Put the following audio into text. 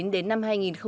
đến năm hai nghìn hai mươi